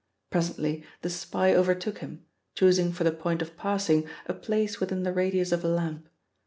Presently the spy overtook him, choosing for the point of passing, a place within the radius of a lamp.